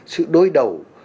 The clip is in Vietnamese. sự đối đầu